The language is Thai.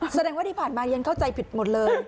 แสดงว่าที่ผ่านมายังเข้าใจผิดหมดเลย